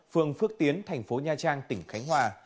phường phước tiến thành phố nha trang tỉnh khánh hòa